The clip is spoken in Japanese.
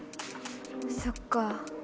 そっか。